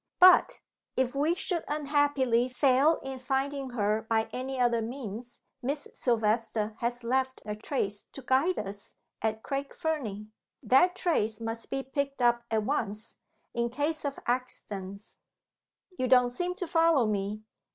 But (if we should unhappily fail in finding her by any other means) Miss Silvester has left a trace to guide us at Craig Fernie. That trace must be picked up at once, in case of accidents. You don't seem to follow me?